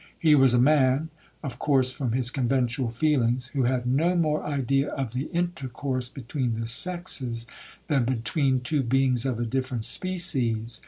He was a man (of course from his conventual feelings) who had no more idea of the intercourse between the sexes, than between two beings of a different species.